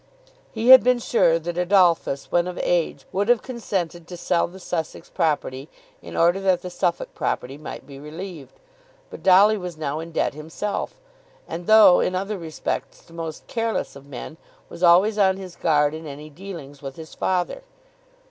He had been sure that Adolphus, when of age, would have consented to sell the Sussex property in order that the Suffolk property might be relieved. But Dolly was now in debt himself, and though in other respects the most careless of men, was always on his guard in any dealings with his father.